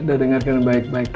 anda dengarkan baik baik